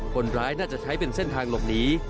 คนร้ายน่าจะใช้เป็นเส้นทางหลบหนี